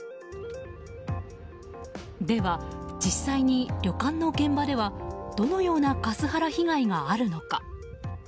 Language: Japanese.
では実際に旅館の現場ではどのようなカスハラ被害があるのか。